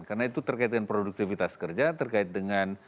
karena itu terkait dengan produktivitas kerja terkait dengan